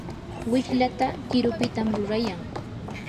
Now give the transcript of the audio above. wishlata qirupitam rurayan.